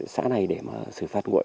xã này để mà xử phạt nguội